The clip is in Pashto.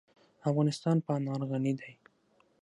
افغانستان په انار غني دی.